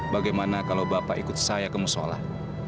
bagaimana kalau bapak ikut saya kemusyolat